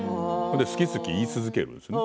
好き好き言い続けるんですよ。